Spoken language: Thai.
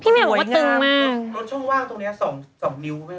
รถช่วงว่างตรงนี้๒นิ้ว